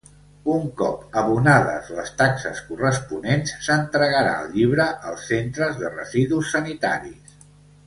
Un cop abonades les taxes corresponents s'entregarà el llibre als centres de residus sanitaris.